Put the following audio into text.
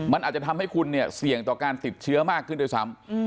มันอาจจะทำให้คุณเนี่ยเสี่ยงต่อการติดเชื้อมากขึ้นด้วยซ้ำ